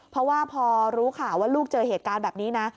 เพราะว่าพอรู้ข่าวว่าลูกเจอเหตุการณ์แบบนี้นะ